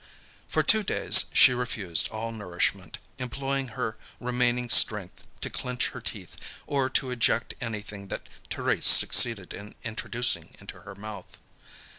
For two days she refused all nourishment, employing her remaining strength to clench her teeth or to eject anything that Thérèse succeeded in introducing into her mouth.